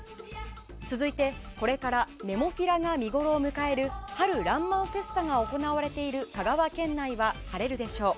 続いて、これからネモフィラが見ごろを迎える春らんまんフェスタが行われている香川県内は晴れるでしょう。